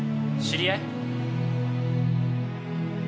知り合い？